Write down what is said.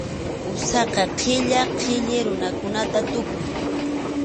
Usaqa qilla qhilli runatam tukun.